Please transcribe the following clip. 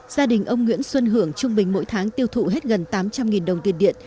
gia đình ông nguyễn xuân hưởng trung bình mỗi tháng tiêu thụ hết gần tám trăm linh đồng tiền điện